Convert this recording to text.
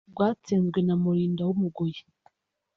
rwatsinzwe na Mulinda w’Umugoyi